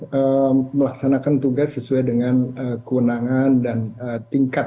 iya tentu kita melaksanakan tugas sesuai dengan kewenangan dan tingkat